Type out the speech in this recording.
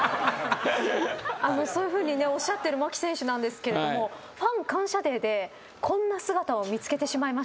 そういうふうにおっしゃってる牧選手なんですけれどもファン感謝デーでこんな姿を見つけてしまいました。